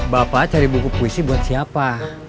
bapak cari buku puisi buat siapa